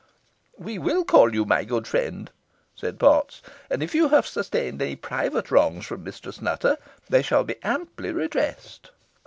"We will call you, my good friend," said Potts; "and, if you have sustained any private wrongs from Mistress Nutter, they shall be amply redressed."